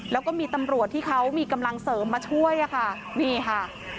แล้วก็มีตำรวจที่เขามีกำลังเสริมมาช่วยอะค่ะนี่ค่ะ